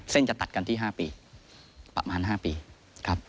จะตัดกันที่๕ปีประมาณ๕ปีครับ